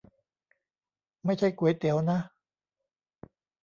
ไม่ใช่ก๋วยเตี๋ยวนะ